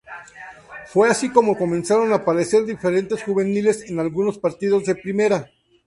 Fue así como comenzaron a aparecer diferentes juveniles en algunos partidos de primera.